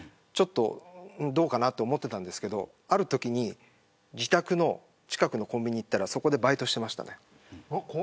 声も掛けてこないのでどうかなと思ってたんですけどあるとき自宅の近くのコンビニに行ったらそこでバイトしてました。